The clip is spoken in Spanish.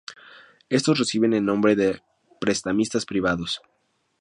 Estos reciben el nombre de prestamistas privados.